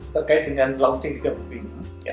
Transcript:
terkait dengan launching di kepuping